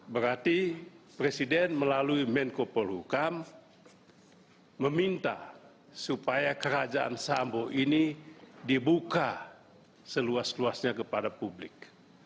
berarti presiden melalui menko polhukam meminta supaya kerajaan sambo ini dibuka seluas luasnya kepada publik